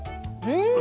うん。